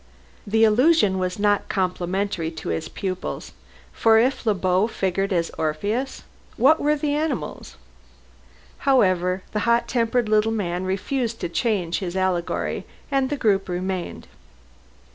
The allusion was not complimentary to his pupils, for if Le Beau figured as Orpheus, what were the animals? However, the hot tempered little man refused to change his allegory and the group remained.